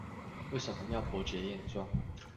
為什麼要脖子練壯